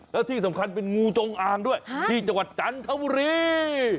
แล้วที่สำคัญเป็นงูจงอางด้วยที่จังหวัดจันทบุรี